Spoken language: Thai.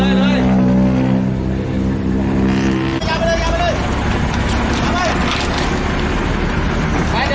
กินสายเลยค่อยค่อยเคี้ยออก